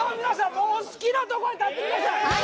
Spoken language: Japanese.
もう好きなとこへ立ってください